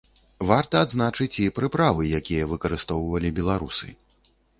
Варта адзначыць і прыправы, якія выкарыстоўвалі беларусы.